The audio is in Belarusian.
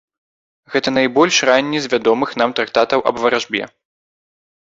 Гэта найбольш ранні з вядомых нам трактатаў аб варажбе.